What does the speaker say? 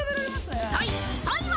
［第３位は］